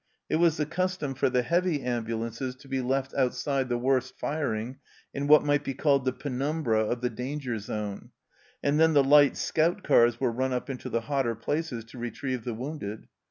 It was the custom for the heavy ambulances to be left outside the worst firing, in what might be called the penumbra of the danger zone, and then the light scout cars were run up into the hotter places to retrieve the wounded.